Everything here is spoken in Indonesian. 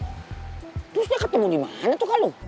terusnya ketemu dimana tuh kalung